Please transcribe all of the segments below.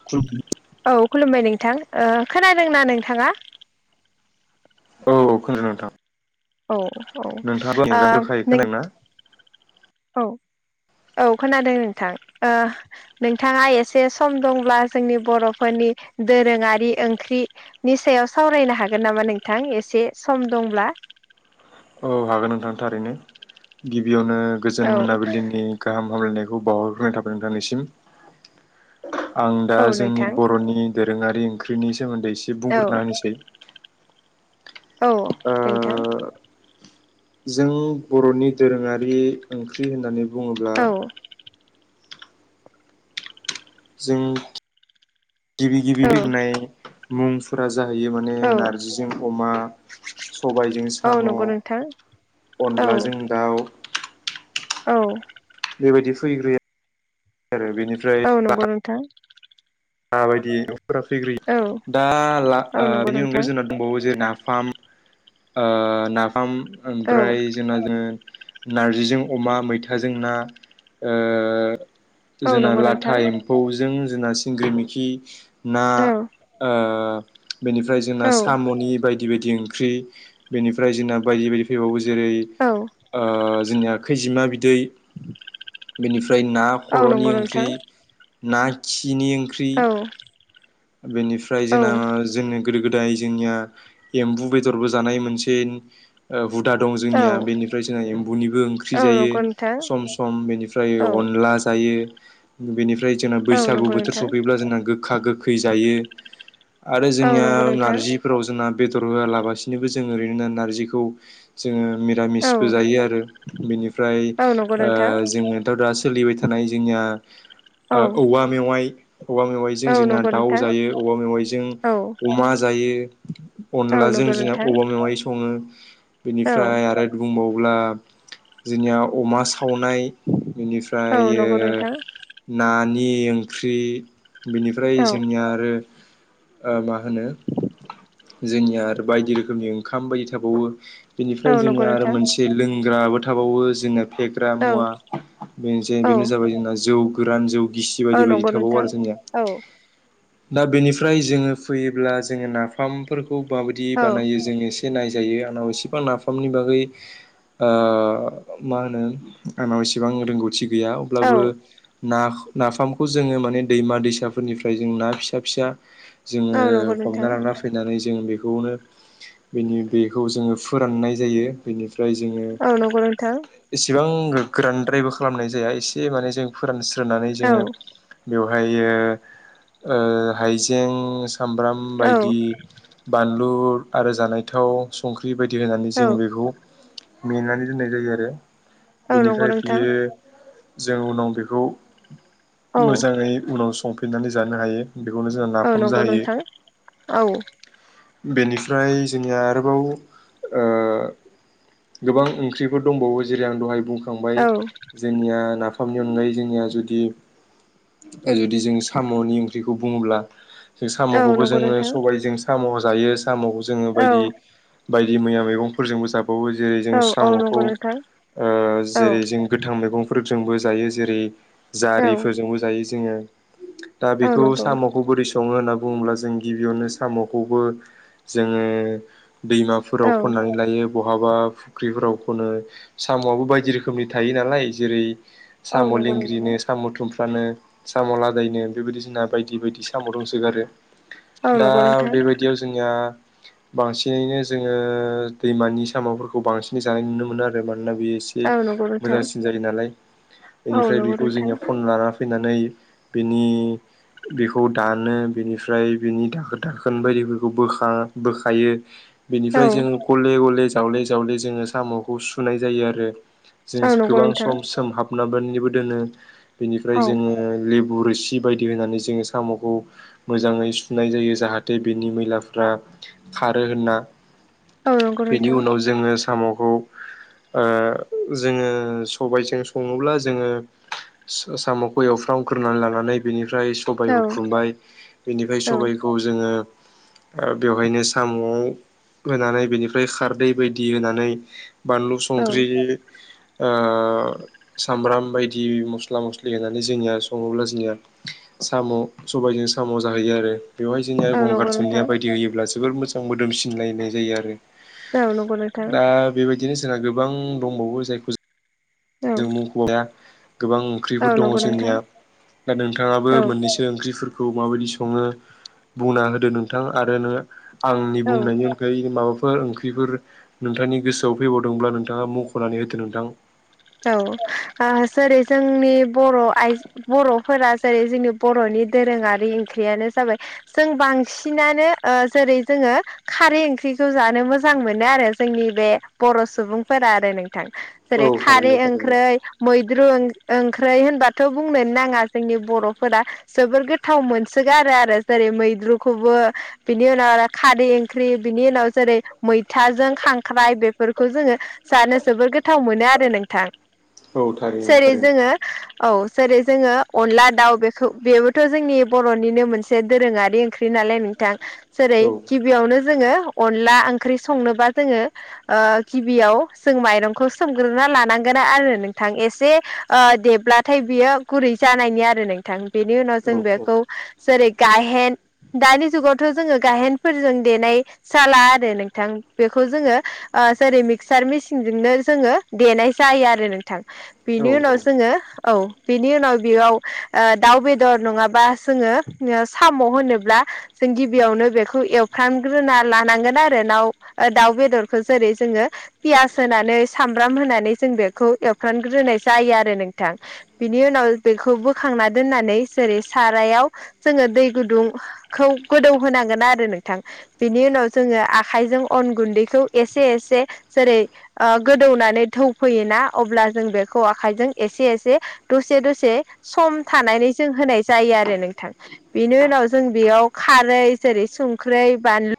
[inaudible] औ खुलुमबाय नोंथां खोनादोंना नोंथाङा औ औ खोन्थादों नोंथां औ औ नोंथाङाबो आंनि आ गां नों औ ज [inaudible] औ खोनादों नोंथां ओ नोंथाङा एसे सम दंब्ला जोंनि बर'फोरनि दोरोङारि ओंख्रि नि सायाव सावरायनो हागोन नामा नोंथां एसे सम दंब्ला औ हागोन नोंथां थारैनो गिबियावनो औ गोजोन मोनाबिलिनि गाहाम हामलायनायखौ बावहरग्रोनाय थाबाय नोंथांनिसिम आं दा औ जोंनि नोंथां बर'नि दोरोङारि ओंख्रिनि सोमोन्दै औ बुंग्रोना होनोसै औ ओ नोंथां जों बर'नि दोरोङारि ओंख्रि होननानै बुङोब्ला औ जों गिबि गिबि औ होननाय मुं फोरा जाहैयो माने औ नार्जिजों अमा सबायजों औ साम' नंगौ नोंथां औ अनलाजों दाउ औ बेबायदि फैग्रोयो आरो बेनि औ नंगौ नोंथां माबायदि न'खरफोरा फैग्रोयो औ दा ला औ ओ नंगौ बेनि नोंथां अनगायै जोंना दंबावो जे नाफाम ओ नाफाम औ ओमफ्राय जोंना जे नारजिजों अमा मैथाजों ना ओ औ जोंना नंगौ नोंथां लाथा एम्फौजों जोंना सिंग्रि मोखि ना औ ओ बेनिफ्राय जोंना साम'नि बायदि बायदि ओंख्रि बेनिफ्राय जोंना बायदि बायदि फैबावो जेरै औ ओ जोंनिया खैजिमा बिदै बेनिफ्राय ना औ खर'नि नंगौ ओंख्रि नोंथां ना खिनि ओंख्रि अ बेनिफ्राय जोंना जोंनि गोदो गोदाय जोंनिया एम्बु बेदरबो जानाय मोनसे ओ हुदा दं औ जोंनिया बेनिफ्राय जोंहा एम्बुनिबो ओंख्रि औ जायो नंगौ नोंथां सम सम बेनिफ्राय औ अनला जायो बेनिफ्राय जोंना औ बैसागु नंगौ बोथोर नोंथां सफैब्ला जोंना गोखा गोखै जायो आरो औ जोंनिया नंगौ नोंथां नारजि फोराव जोंना बेदर होआलाबसिनोबो जोंङो ओरैनो नारजिखौ जोङो औ मिरामिसबो जायो आरो बिनिफ्राय औ नंगौ नोंथां जोङो थ दा सोलिबाय थानाय जोंनिया औ औवा मेवाइ औवा मेवाइजों औ जोंना नंगौ दाउ नोंथां जायो औवा मेवाइजों औ अमा जायो औ अनलाजों नंगौ जोंहा नोंथां औवा मेवाय सङो औ बेनिफ्राय आरो बुंबावब्ला जोंनिया अमा सावनाय बेनिफ्राय औ नंगौ ओमफ्रायो नोंथां नानि ओंख्रि बिनिफ्राय औ जोंनिया आरो ओ मा होनो जोंनिया आरो बायदि रोखोमनि ओंखाम बायदि थाबावो बेनिफ्राय औ नंगौ जोंनिया आरो नोंथां मोनसे लोंग्राबो थाबावो जोंङो फेग्रा मुवा औ बेनोसै बेनो औ जाबाय जोंना जौ गोरान जौ गिसि औ बायदि बायदि नंगौ थाबावो नोंथां आरो जोंनिया औ दा बेनिफ्राय जोङो फैयोब्ला जोङो नाफामफोरखौ माबायदि औ बानायो जोङो एसे नायजायो आंनाव एसेबां नाफामनि बागै ओ मा होनो आंनाव एसेबां रोंगौथि गैया अब्लाबो औ ना नाफामखौ जोङो माने दैमा दैसाफोरनिफ्राय जों ना फिसा फिसा जोङो औ नंगौ नोंथां हमना लाना फैयो नानै जों बेखौनो बिनि बेखौ जोङो फोराननाय जायो बेनिफ्राय जोङो औ नंगौ नोंथां औ एसेबां गोरानद्रायबो खालामनाय जाया एसे माने जों फोरानस्रोनानै जोङो बेवहायो ओ हाइजें सामब्राम औ बायदि औ बानलु आरो जानायथाव संख्रि बायदि होनानै जों बेखौ मेनानै दोननाय जायो आरो औ नंगौ बेनिफ्राय नोंथां बियो जों उनाव बेखौ औ मोजाङै उनाव संफिननानै जानो हायो। बेखौनो जोङो औ नाफाम नंगौ जायो। नोंथां औ बेनिफ्राय जोंनिया आरोबाव ओ गोबां ओंख्रिफोर दंबावो जेरै आं दहाय बुं खांबाय औ जोंनिया नाफामनि अनगायै जोंनिया जुदि-जुदि सामुनि ओंख्रिखौ बुङोब्ला जों औ साम'खौबो नंगौ जोङो नोंथां सबायजों साम' जायो। साम'खौ जोङो औ बायदि-बायदि मैया मेगंफोरजोंबो जाब- वो जेरै- जों औ औ साम'खौ नंगौ नोंथां ओ औ जेरै- जों गोथां मेगंफोरजोंबो जायो जेरै- औ जारिफोरजोंबो जायो जोङो । दा औ बेखौ नंगौ साम'खौ बोरै सङो होनना बुङोब्ला जों गिबियावनो साम'खौबो जोङो दैमाफोराव औ खननानै लायो ब- हाबा फुख्रिफोराव खनो साम'आबो बायदि रोखोमनि थायो नालाय जेरै- औ साम' नंगौ नोंथां लेंग्रिनो साम' थुमफ्रानो साम' ला- दायनो बेबादि जोंना बायदि-बायदि साम' दंसोगारो औ दा नंगौ नोंथां बे बाय- दियाव जोंनिया बांसिनैनो जोङो दैमानि साम'फोरखौ बांसिनै जानाय नुनो मोनो आरो मानोना बेयो ए- से औ नंगौ नोंथां मोजांसिन जायो नालाय औ बेनिफ्राय नंगौ बेखौ नोंथां जोंनिया खन लाना फैनानै बिनि बेखौ दानो बेनिफ्राय बेनि दाखो-दाखोन बायदिफोरखौ बोखा-बोखायो औ बेनिफ्राय जोङो गले-गले जावले-जावले जोङो साम'खौ सुनाय जायो आरो जों औ नंगौ गोबां नोंथां सम हाबनाबोननिबो दोनो बेनिफ्राय औ जोङो लि- बु रोसि बायदि होनानै जोङो साम'खौ मोजाङै सुनाय जायो जाहाथे बेनि मैलाफ्रा खारो होनना औ नंगौ बेनि नोंथां उनाव जोङो साम'खौ ओ जोङो सबायजों सङोब्ला जोङो स-साम'खौ एवफ्राव हुख्रुनानै लानानै बेनिफ्राय औ सबाय हुख्रुमबाय बेनिफ्राय औ सबायखौ जोङो बेवहायनो सामुआव होनानै बेनिफ्राय खारदै बायदि होनानै बानलु संख्रि ओ सामब्राम बायदि मस्ला-मस्लि होनानै जोंनिया सङोब्ला जोंनिया साम' सबायजों साम' जाहैयो आरो बेवहाय जोङो औ गंगार नंगौ धुनिया नोंथां बायदि होयोब्ला जबोर मोजां मोदोमसिनलायनाय जायो आरो। औ नंगौ नोंथां औ दा बेबायदिनो जोंहा गोबां दंबावो जायखौ जों मुंखाया गोबां ओंख्रिफोर औ दङ नंगौ नोंथां जोंनिया दा नोंथाङाबो औ मोननैसो ओंख्रिफोरखौ माबायदि सङो बुंना होदो नोंथां आरोनो आंनि औ बुंनायनि ओइ माबाफोर ओंख्रिफोर नोंथांनि गोसोआव फैबावदोंब्ला नोंथाङा मख'नानै होदो नोंथां औ ओ जेरै जोंनि बर' आइ- बर'फोरा जेरै- जोंनि बर'नि दोरोङारि ओंख्रियानो जाबाय जों बांसिनानो ओ जेरै- जोङो खारै ओंख्रिखौ जानो मोजां मोनो आरो जोंनि बे बर' सुबुंफोरा आरो नोंथां। औ जेरै- खारै थारैनो ओंख्रै थारैनो मैद्रु ओं-ओंख्रै होनबाथ' बुंनो नाङा जोंनि बर'फोरा जोबोर गोथाव मोनसोगारो आरो जेरै- मैद्रुखौबो बिनि उनाव आरो खारै ओंख्रि बिनि उनाव जेरै- मैथाजों खांख्राइ बेफोरखौ जोङो जानो जोबोर गोथाव मोनो आरो नोंथां औ । थारैनो जेरै- थारैनो जोङो औ जेरै- जोङो अनला दाउ बेखौ बेबोथ' जोंनि बर'निनो मोनसे दोरोङारि ओंख्रि नालाय नों- थां जेरै- औ गिबियावनो जोङो अनला ओंख्रि संनोबा जोङो गिबियाव जों माइरंखौ सोम देग्रोना लानांगोना आरो नोंथां एसे देब्लाथाय बियो गुरै जानायनि आरो नोंथां। बेनि उनाव औ जों औ बेखौ जेरै गायहेन दानि जुगावथ' जोङो गाहेनफोरजों देनाय साला आरो नोंथां बेखौ जोङो जेरै मिक्सार मेसिनजोंनो जोङो। देनाय जायो आरो नोंथां बिनि उनाव जोङो। औ बेनि उनाव बेयाव दाउ बेदर । जों गिबियावनो बेखौ एवफ्रामग्रोना लानांगोन आरो दाव दाउ बेदरखौ जेरै जोङो पियास होनानै साम पहोनानै जों बेखौ एवफ्रामग्रोनाय जायो आरो नोंथां। बिनि उनाव बेखौ बोखांना दोननानै जेरै सारायाव जोङो दै गुदुंखौ गोदौ होनांगोन आरो नोंथां। बेनि उनाव जोङो । गोदौवनानै दोहौ फैयोना अब्ला जों बेखौ आखायजों एसे एसे दसे दसे सम थानानै जों होनाय जायो आरो नोंथां। बेनि उनाव जों बेयाव खारै जेरै संख्रै बानलु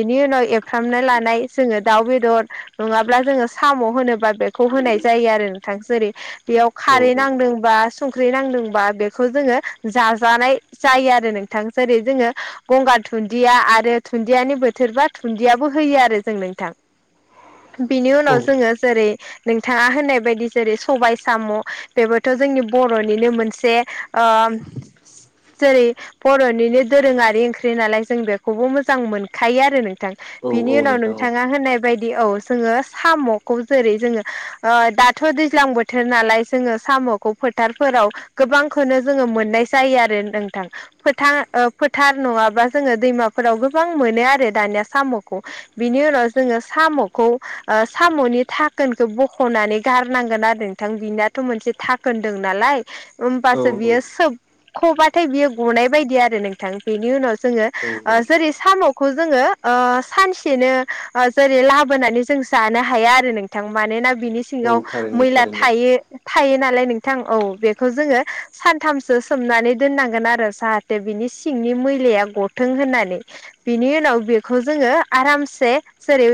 बेनि उनाव एवफ्रामना लानाय जोङो दाउ बेदर नङाब्ला जोङो साम' होनोबा बेखौ होनाय जायो आरो नोंथां जेरै बेयाव खारै औ नांदोंबा संख्रि नांदोंबा बेखौ जोङो जाजानाय जायो आरो नोंथां जेरै जोङो गंगार धुन्दिया आरो धुन दियानि बोथोरबा दुन्दियाबो होयो आरो जों नोंथां बिनि औ उनाव जोङो जेरै नोंथाङा होननाय बायदि जेरै सबाय साम' बेबोथ' जोंनि बर'निनो मोनसे जेरै बर'निनो दोरोङारि ओंख्रि नालाय जों बेखौबो मोजां। मोजां मोनखायो आरो नोंथां औ बिनि औ उनाव नोंथां नोंथाङा होननाय बायदि औ जोङो साम'खौ जेरै जोङो दाथ' दैज्लां बोथोर नालाय जोङो साम' खौ फोथारफोराव गोबांखौनो जोङो मोननाय जायो आरो नोंथां। फोथार फोथार नङाबा जोङो दैमाफोराव गोबां मोनो आरो दानिया साम'खौ। बिनि उनाव जोङो साम'खौ साम'नि थाखोनखौ बख'नानै गारनांगोन आरो नोंथां बिनाथ' मोनसे थाखोन दं नालाय औ होमबासो बियो सोब सोबख'बाथाय बियो गनाय बायदि आरो नोंथां बेनि उनाव जोङो औ औ जेरै साम'खौ जोङो सानसेनो जेरै लाबोनानै जों जानो हाया आरो नों नोंथां मानोना बिनि औ सिङाव थारैनो मैला थारैनो थायो। थायो नालाय नोंथां औ बेखौ जोङो सानथामसो सोमनानै दोननांगोन आरो जा बिनि सिंनि मैलाया गथों होननानै बिनि उनाव बेखौ जोङो आरामसे जेरै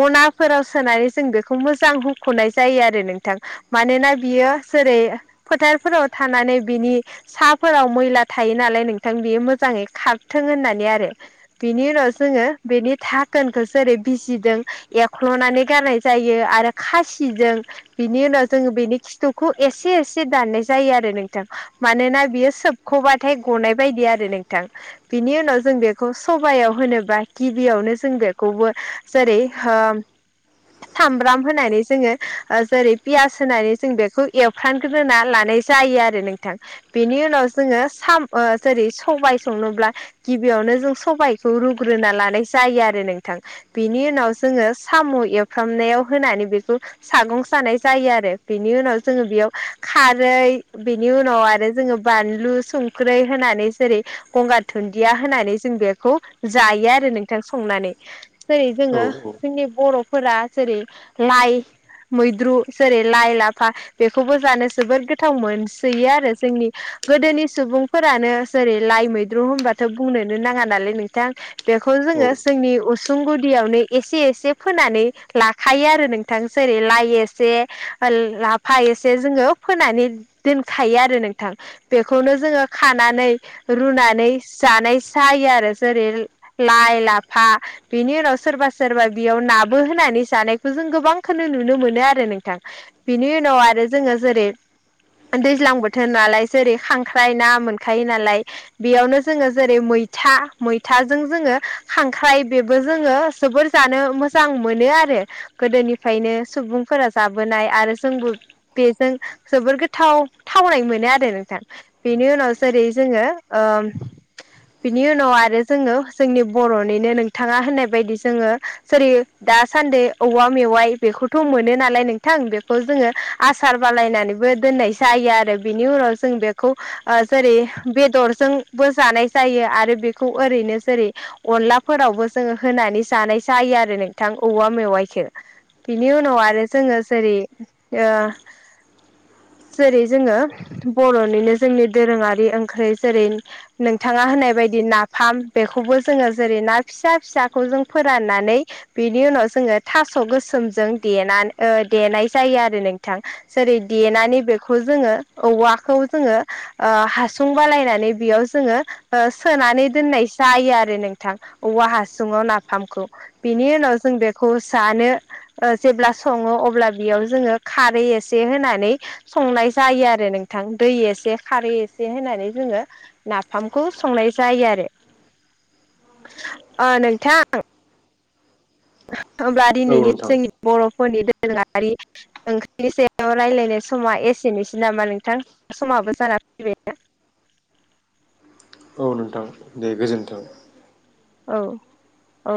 मनाफोराव सोनानै जों बेखौ मोजां हुख'नाय जायो आरो नोंथां मानोना बियो जेरै फोथारफोराव थानानै बिनि साफोराव मैला थायो नालाय नोंथां बेयो मोजाङै खारथों होननानै आरो। बिनि उनाव जोङो बेनि थाखोनखौसो जेरै बिजिजों एख्ल'नानै गारनाय जायो आरो खासिजों बिनि उनाव जोङो बेनि खिथुखौ एसे एसे दाननाय जायो आरो नोंथां मानोना बियो सोब सोबख'बाथाय गनाय बायदि आरो नोंथां बिनि उनाव जों बे सबायाव होनोबा गिबियावनो जों बेखौबो जेरै सामब्राम होनानै जोङो जेरै पियास होनानै जों बेखौ ए एवफ्रामग्रोना लानाय जायो आरो नोंथां। बेनि उनाव जोङो साम जेरै सबाय संनोब्ला गिबियावनो जों सबायखौ रुग्रोना लानाय जायो आरो नोंथां। बेनि उनाव जोङो साम' एवफ्रामनायाव होनानै बेखौ सागं जानाय जायो आरो बेनि उनाव जोङो बेयाव खारै बेनि उनाव आरो जोङो बानलु संख्रै होनानै जेरै गंगार दुन्दिया होनानै जों बेखौ जायो आरो नोंथां संनानै जेरै औ जोङो औ जोंनि बर' फोर जेरै लाइ मैद्रु जेरै लाइ लाफा बेखौबो जानो जोबोद गोथाव मोनसोयो आरो जोंनि गोदोनि सुबुं फोरानो जेरै लाइ मैद्रु होनबाथ' बुंनोनो नाङा नालाय नोंथां बेखौ औ जोङो जोंनि उसुं गुदियावनो एसे एसे फोनानै ला खायो आरो नोंथांसरै लाइ एसे लाफा एसे जोङो फोनानै दोनखायो आरो नोंथां बेखौनो जोङो खानानै रुनानै जानाय जायो आरो जेरै लाइ लाफा बेनि उनाव सोरबा सोरबा बेयाव नाबो होनानै जानायखौ जों गोबांखौ नुनो मोनो आरो नोंथां बिनि उनाव आरो जोङो जेरै दैज्लां बोथोर नालाय जेरै खांख्राइ ना मोनखायो नालाय बेयावनो जोङो जेरै मै मैथा मैथाजों जोङो खांख्राइ बेबो जोङो जोबोर जानो मोजां मोनो आरो गोदोनिफ्रायनो सुबुंफोरा जाबोनाय आरो जोंबो बेजों जोबोर गोथाव थावनाय मोनो आरो नोंथां बेनि उनाव जेरै जोङो बिनि उनाव आरो जोङो जोंनि बर'निनो नोंथाङा होननाय बायदि जोङो जेरै दासान्दै औवा मेवाइ बेखौथ' मोनो नालाय नोंथां बेखौ जोङो आसार बालायनानैबो दोननाय जायो आरो बेनि उनाव जों बेखौ जेरै बेदरजों बो जानाय जायो आरो बेखौ ओरैनो जेरै अनलाफोरावबो जोङो होनानै जानाय जायो आरो नोंथां औवा मेवाइखौ बिनि उनाव आरो जोङो जेरै जेरै जोङो बर'निनो जोंनि दोरोङारि ओंख्रि जेरै बिथाङा होननाय बायदि नाफाम बेखौबो जोङो जेरै ना फिसा फिसाखौ जों फोराननानै बेनि उनाव जोङो थास' गोसोमजों देनानै देनाय जायो आरो नोंथां जेरै देनानै बेखौ जोङो औवाखौ जोङो हासुं बालायनानै बेयाव जोङो सोनानै दोननाय जायो आरो नोंथां औवा हासुङाव नाफामखौ बिनि उनाव जों बेखौ जानो जेब्ला सङो अब्ला बेयाव जोङो खारै एसे होनानै संनाय जायो आरो नोंथां दै एसे खारै एसे होननानै जोङो ओंखामखौ संनाय जायो आरो नोंथां होमब्ला औ दिनैनि नोंथां जोंनि बर'फोरनि दोरोङारि ओंख्रिनि सायाव रायज्लायनाय समा एसेनोसै नामा नोंथां समाबो जानानानै फैबाय नोंथां दे गोजोन्थों औ औ